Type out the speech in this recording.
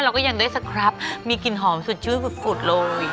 เราก็ยังได้สครับมีกลิ่นหอมสุดชื่อสุดเลย